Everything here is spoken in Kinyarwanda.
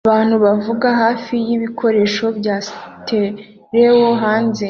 Abantu bavuga hafi y'ibikoresho bya stereo hanze